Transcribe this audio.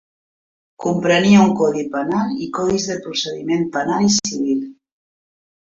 Comprenia un codi penal i codis de procediment penal i civil.